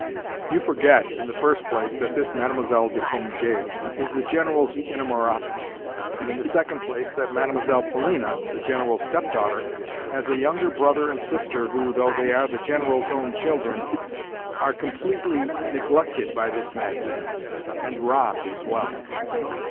"You forget, in the first place, that this Mlle. de Cominges is the General's inamorata, and, in the second place, that Mlle. Polina, the General's step daughter, has a younger brother and sister who, though they are the General's own children, are completely neglected by this madman, and robbed as well."